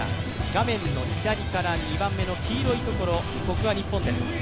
画面の左から２番目の黄色いところここが日本です。